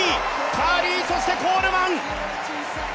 カーリー、そしてコールマン！